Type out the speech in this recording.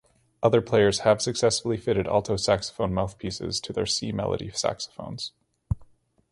Other players have successfully fitted alto saxophone mouthpieces to their C melody saxophones.